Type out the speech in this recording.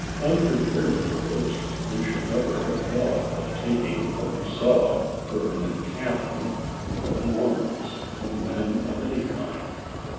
Unprepared for it, we should never have thought of taking what we saw for an encampment of Mormons, or men of any kind.